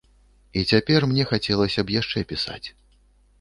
І цяпер мне хацелася б яшчэ пісаць.